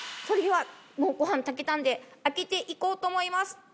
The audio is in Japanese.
それではもうご飯炊けたんで開けていこうと思います。